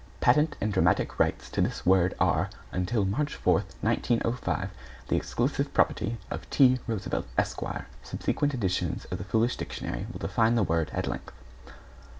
(Patent and Dramatic rights to this word are, until March 4, 1905, the exclusive property of T. Roosevelt, Esq., Subsequent editions of The Foolish Dictionary will define the word at length).